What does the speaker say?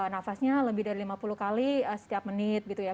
nafasnya lebih dari lima puluh kali setiap menit gitu ya